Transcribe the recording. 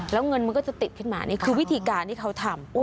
แล้วเงินมันก็จะติดขึ้นมานี่คือวิธีการที่เขาทำ